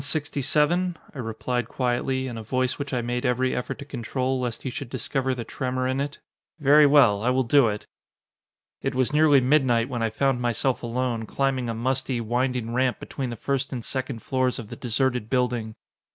I replied quietly, in a voice which I made every effort to control, lest he should discover the tremor in it. "Very well, I will do it!" It was nearly midnight when I found myself alone, climbing a musty, winding ramp between the first and second floors of the deserted building.